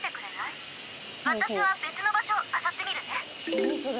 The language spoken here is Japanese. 何それ。